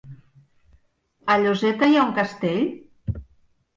A Lloseta hi ha un castell?